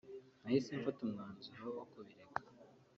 nahise mfata umwanzuro wo kubireka